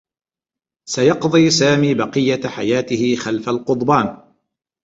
سيقضي سامي بقيّة حياته خلف القضبان.